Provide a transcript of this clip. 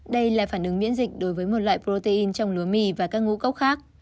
đây là phản ứng miễn dịch đối với một loại protein trong lúa mì và các ngũ cốc khác